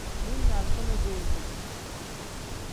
Mili ni alifa nodozo.